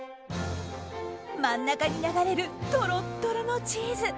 真ん中に流れるとろっとろのチーズ。